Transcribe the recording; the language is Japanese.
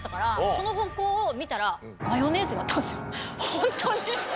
ホントに！